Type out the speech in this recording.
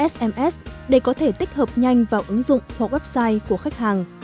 sms để có thể tích hợp nhanh vào ứng dụng hoặc website của khách hàng